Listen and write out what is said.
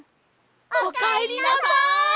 おかえりなさい！